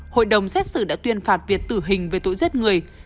hội đồng xét xử đã tuyên phạt việt tử hình về tội giết người